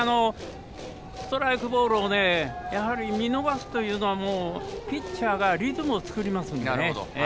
ストライクボールを見逃すというのはピッチャーがリズムを作ります。